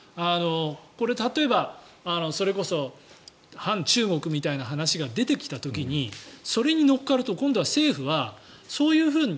これ、例えばそれこそ反中国みたいな話が出てきた時にそれに乗っかると今度は政府はそういうふうな